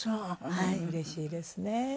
はいうれしいですね。